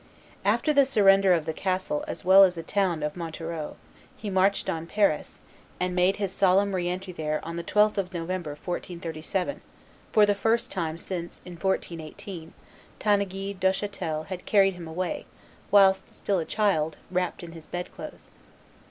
After the surrender of the castle as well as the town of Montereau, he marched on Paris, and made his solemn re entry there on the 12th of November, 1437, for the first time since in 1418 Tanneguy Duchatel had carried him away, whilst still a child, wrapped in his bed clothes.